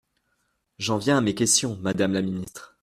J’en viens à mes questions, madame la ministre.